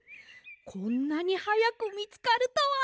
こんなにはやくみつかるとは！